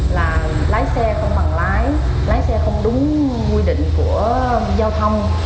là lái xe không bằng lái lái xe không đúng quy định của giao thông